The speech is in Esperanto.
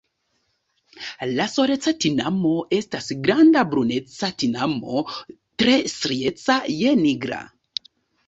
La Soleca tinamo estas granda bruneca tinamo tre strieca je nigra.